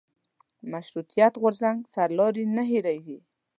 مشروطیت غورځنګ سرلاري نه هېرېږي.